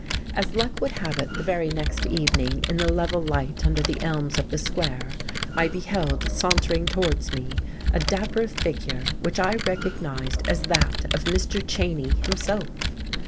As luck would have it the very next evening in the level light under the elms of the Square I beheld sauntering towards me a dapper figure which I recognized as that of Mr. Cheyne himself.